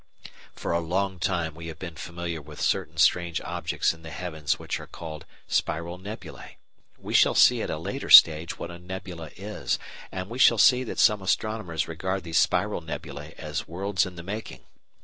For a long time we have been familiar with certain strange objects in the heavens which are called "spiral nebulæ" (Fig 4). We shall see at a later stage what a nebula is, and we shall see that some astronomers regard these spiral nebulæ as worlds "in the making."